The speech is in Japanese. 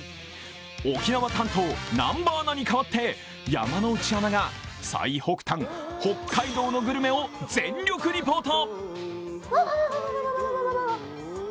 沖縄担当、南波アナに代わって山内アナが最北端・北海道のグルメを全力リポート。